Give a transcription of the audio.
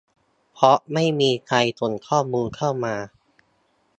เพราะไม่มีใครส่งข้อมูลเข้ามา